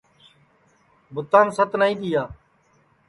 بُتام ست نائی تیا